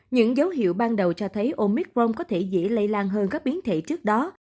những dấu hiệu ban đầu cho thấy omicron có thể dễ lây lan hơn các biến thể trước đó